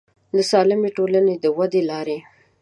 د سالمې ټولنې د ودې لارې